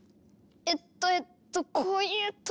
えっとえっとこういう時は。